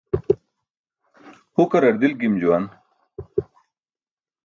Hukarar dilk gim juwan.